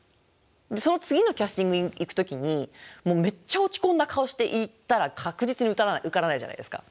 その次のキャスティングに行く時にめっちゃ落ち込んだ顔して行ったら確実に受からないじゃないですか。